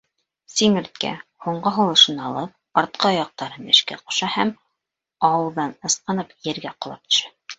Сиңерткә, һуңғы һулышын алып, артҡы аяҡтарын эшкә ҡуша һәм, ауҙан ысҡынып, ергә ҡолап төшә.